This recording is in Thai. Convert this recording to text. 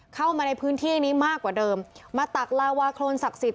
เข้ามาในพื้นที่นี้มากกว่าเดิมมาตักลาวาโครนศักดิ์สิทธ